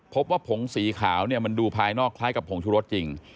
ผงสีขาวเนี่ยมันดูภายนอกคล้ายกับผงชุรสจริง